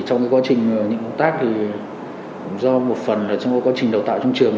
trong quá trình nhận công tác do một phần trong quá trình đào tạo trong trường